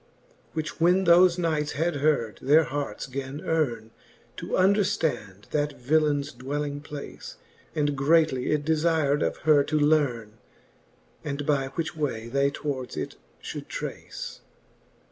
VII. Which when thofe knights had heard, their harts gan eame, To underftand that villeins dwelling place. And greatly it defir'd of her to learne. And by which way they towards it fhould trace.